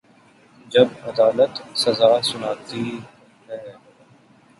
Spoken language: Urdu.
جب عدالت سزا سناتی ہے۔